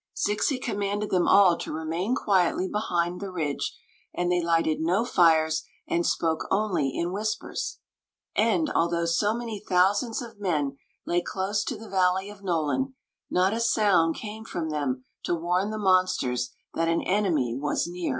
Zixi commanded them all to remain quietly behind the ffidge, and they, lighted no fires and spoke only in whispers. n v And, although so many thousands of men lay close to the valley of Noland, not a sound came from them to warn the monsters that an enemy was near.